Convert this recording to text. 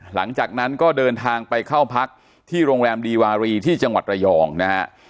หลังจากนั้นก็เดินทางไปเข้าพักที่โรงแรมดีวารีที่จังหวัดระยองนะฮะ